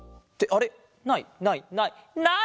ないないないない！